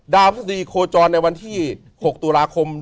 พฤษฎีโคจรในวันที่๖ตุลาคม